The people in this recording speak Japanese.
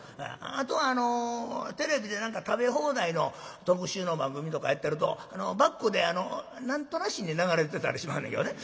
あとテレビで何か食べ放題の特集の番組とかやってるとバックで何となしに流れてたりしまんねんけどね。